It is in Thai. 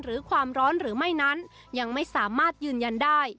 หรือความร้อนหรือไม่นั้นยังไม่สามารถยืนยันได้